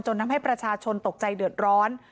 ทำให้ประชาชนตกใจเดือดร้อน